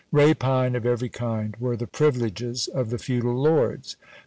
Rapine, of every kind were the privileges of the feudal lords!